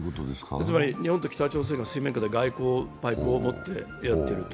日本と北朝鮮が水面下で外交のパイプを持ってやってると。